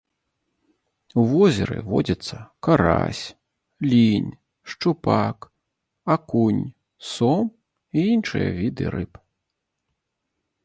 У возеры водзяцца карась, лінь, шчупак, акунь, сом і іншыя віды рыб.